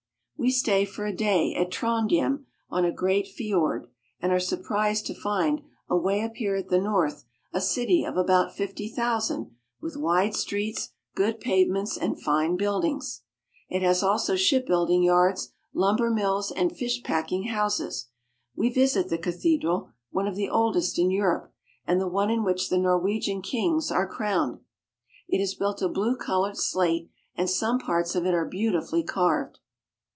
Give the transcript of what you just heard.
We stay for a day at Trondhjem (trond'yem), on a great fiord, and are surprised to find, away up here at the north, WHERE THE SUN SHINES AT MIDNIGHT. I6 7 Norwegian Fishermen. a city of about fifty thousand, with wide streets, good pavements, and fine buildings. It has also shipbuilding yards, lumber mills, and fish packing houses. We visit the cathedral, one of the oldest in Europe, and the one in which the Nor wegian kings are crowned. It is built of blue colored slate, and some parts of it are beautifully carved.